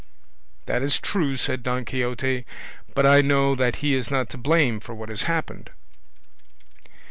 "That is true," said Don Quixote, "but I know that he is not to blame for what has happened."